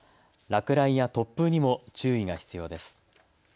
落雷や突風にも注意が必要です。